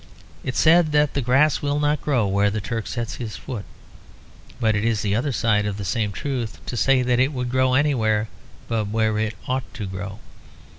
It is said that the grass will not grow where the Turk sets his foot; but it is the other side of the same truth to say that it would grow anywhere but where it ought to grow.